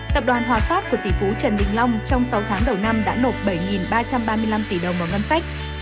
tập đoàn hòa phát của tỷ phú trần đình long trong sáu tháng đầu năm đã nộp bảy ba trăm ba mươi năm tỷ đồng vào ngân sách